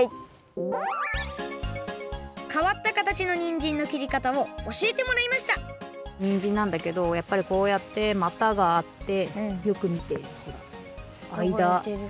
変わった形のにんじんのきりかたをおしえてもらいましたにんじんなんだけどやっぱりこうやってまたがあってよくみてほらあいだ。